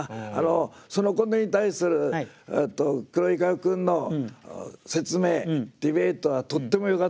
そのことに対する黒岩君の説明ディベートはとってもよかったです。